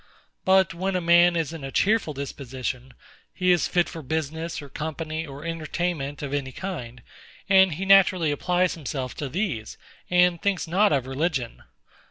But when a man is in a cheerful disposition, he is fit for business, or company, or entertainment of any kind; and he naturally applies himself to these, and thinks not of religion.